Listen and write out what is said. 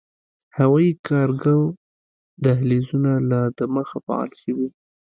هوايي کارګو دهلېزونه لا دمخه “فعال” شوي